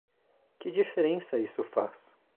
Que diferença isso faz?